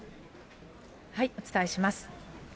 お伝えします。